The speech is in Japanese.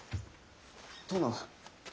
殿。